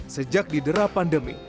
sejak didera pandemi